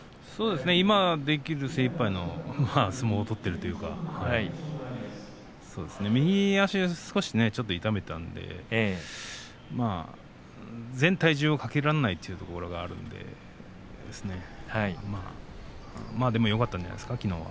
今できる精いっぱいの相撲を取っているというか右足をちょっと痛めていたんで全体重をかけられないというところがあるんででも、よかったんじゃないですか。